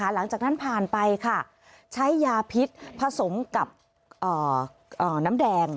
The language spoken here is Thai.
หลังจากนั้นผ่านไปใช้ยาพิษผสมกับน้ำแดง